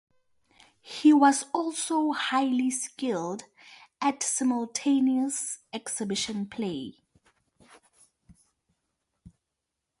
He was also highly skilled at simultaneous exhibition play.